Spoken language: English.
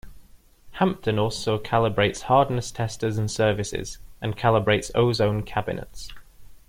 Hampden also calibrates hardness testers and services, and calibrates ozone cabinets.